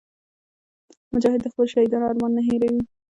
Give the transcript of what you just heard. مجاهد د خپلو شهیدانو ارمان نه هېروي.